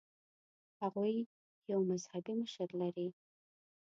هغوی یو مذهبي مشر لري.